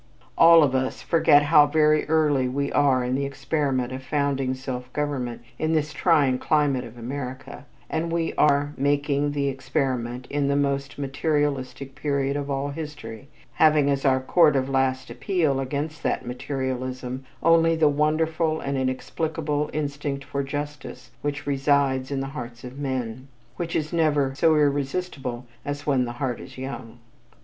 All of us forget how very early we are in the experiment of founding self government in this trying climate of America, and that we are making the experiment in the most materialistic period of all history, having as our court of last appeal against that materialism only the wonderful and inexplicable instinct for justice which resides in the hearts of men, which is never so irresistible as when the heart is young.